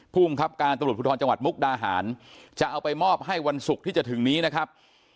ภูมิครับการตำรวจภูทรจังหวัดมุกดาหารจะเอาไปมอบให้วันศุกร์ที่จะถึงนี้นะครับ